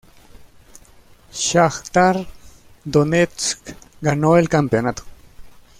Shajtar Donetsk ganó el campeonato.